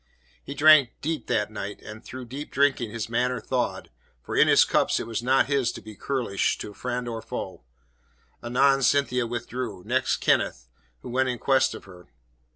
He drank deep that night, and through deep drinking his manner thawed for in his cups it was not his to be churlish to friend or foe. Anon Cynthia withdrew; next Kenneth, who went in quest of her.